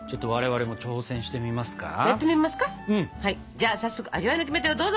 じゃあ早速味わいのキメテをどうぞ！